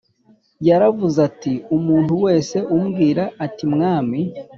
Yaravuze ati umuntu wese umbwira ati mwami